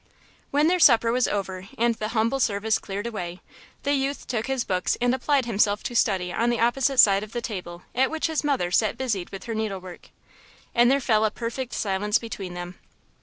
When their supper was over and the humble service cleared away, the youth took his books and applied himself to study on the opposite side of the table at which his mother sat busied with her needlework. And there fell a perfect silence between them.